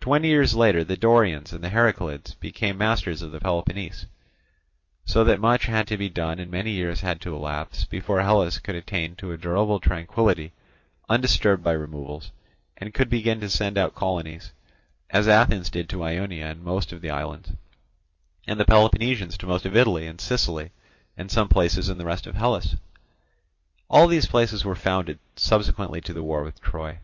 Twenty years later, the Dorians and the Heraclids became masters of Peloponnese; so that much had to be done and many years had to elapse before Hellas could attain to a durable tranquillity undisturbed by removals, and could begin to send out colonies, as Athens did to Ionia and most of the islands, and the Peloponnesians to most of Italy and Sicily and some places in the rest of Hellas. All these places were founded subsequently to the war with Troy.